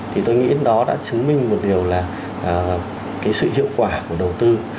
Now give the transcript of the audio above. thì tôi nghĩ đó đã chứng minh một điều là sự hiệu quả của đầu tư